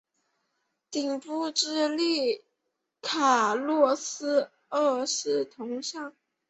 顶部矗立卡洛斯二世的铜像。